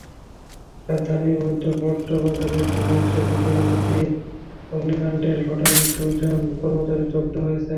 রাজধানীর মধ্য বাড্ডা বাজারে একটি মাংসের দোকানে অগ্নিকাণ্ডের ঘটনায় দুজন কর্মচারী দগ্ধ হয়েছেন।